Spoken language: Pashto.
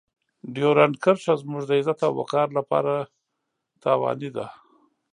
ډیورنډ کرښه زموږ د عزت او وقار لپاره تاواني ده.